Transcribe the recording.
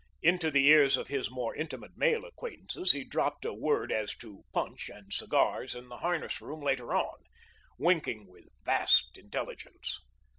Into the ears of his more intimate male acquaintances he dropped a word as to punch and cigars in the harness room later on, winking with vast intelligence.